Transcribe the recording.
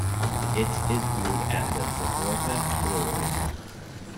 It is brewed at the Zagorka Brewery.